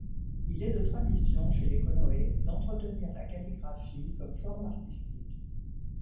Il est de tradition chez les Konoe d'entretenir la calligraphie comme forme artistique.